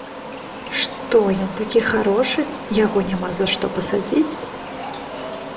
Што ён такі харошы, яго няма за што пасадзіць?